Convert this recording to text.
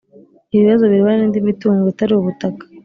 Ibibazo birebana n indi mitungo itari ubutaka